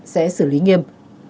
sẽ xử lý nghiêm